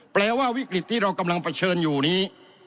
แปลว่าวิกฤตที่เรากำลังเผชิญอยู่นี้